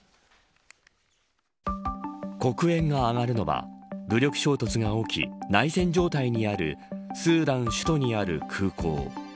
黒煙が上がるのは武力衝突が起き内戦状態にあるスーダン首都にある空港。